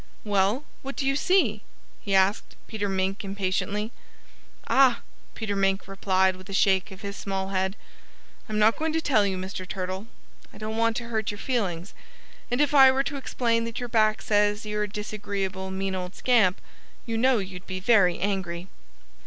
"Well, what do you see?" he asked Peter Mink impatiently. "Ah!" Peter Mink replied with a shake of his small head. "I'm not going to tell you, Mr. Turtle. I don't want to hurt your feelings. And if I were to explain that your back says you're a disagreeable, mean old scamp, you know you'd be very angry."